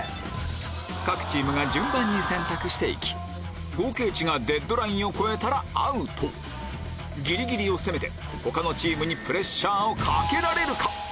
各チームが順番に選択して行き合計値がデッドラインを超えたらアウトギリギリを攻めて他のチームにプレッシャーをかけられるか？